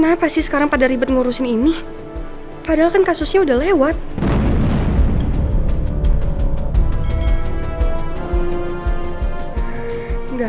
apa mungkin al nyelidikin ini bareng sama mereka